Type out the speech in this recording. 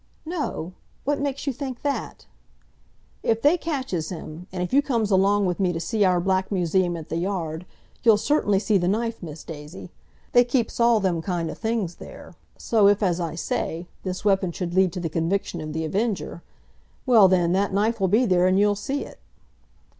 "No! What makes you think that?" "If they catches him, and if you comes along with me to see our Black Museum at the Yard, you'll certainly see the knife, Miss Daisy. They keeps all them kind of things there. So if, as I say, this weapon should lead to the conviction of The Avenger—well, then, that knife 'ull be there, and you'll see it!"